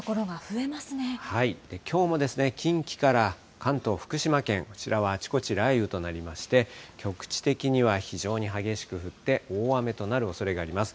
きょうも近畿から関東、福島県、こちらはあちこち雷雨となりまして、局地的には非常に激しく降って、大雨となるおそれがあります。